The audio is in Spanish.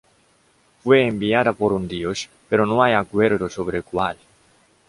Fue enviada por un dios, pero no hay acuerdo sobre cuál.